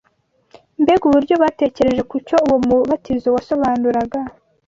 Mbega uburyo batatekereje ku cyo uwo mubatizo wasobanuraga!